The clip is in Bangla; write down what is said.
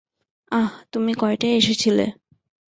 আহ, তুমি কয়টায় এসেছিলে?